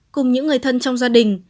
cùng những người thân trong gia đình